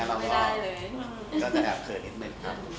ก็จะแอบเขินนิดหนึ่งครับ